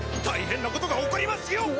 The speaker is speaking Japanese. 大変なことが起こりますよ！